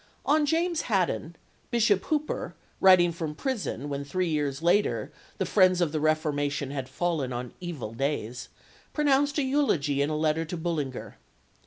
On James Haddon, Bishop Hooper, writing from prison when, three years later, the friends of the Reformation had fallen on evil days, pronounced a eulogy in a letter to Bullinger.